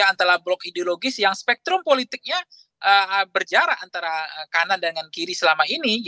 antara blok ideologis yang spektrum politiknya berjarak antara kanan dengan kiri selama ini